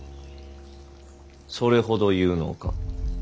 それほど有能か。